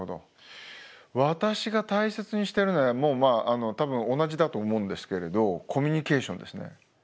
私が大切にしてるのはもうまあ同じだと思うんですけれどコミュニケーションですね。